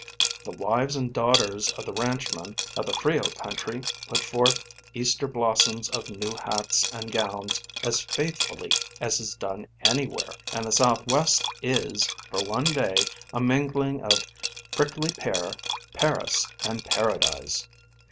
The wives and daughters of the ranchmen of the Frio country put forth Easter blossoms of new hats and gowns as faithfully as is done anywhere, and the Southwest is, for one day, a mingling of prickly pear, Paris, and paradise.